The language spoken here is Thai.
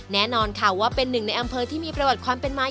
แน่นอนค่ะว่าเป็นหนึ่งในอำเภอที่มีประวัติความเป็นไม้